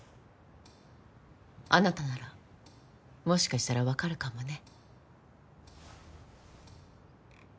あなたならもしかしたら分かるかもね。